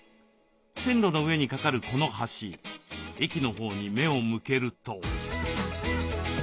線路の上にかかるこの橋駅のほうに目を向けると。